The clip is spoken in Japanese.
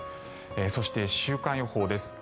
そして、週間予報です。